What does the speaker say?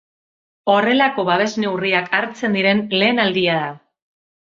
Horrelako babes neurriak hartzen diren lehen aldia da.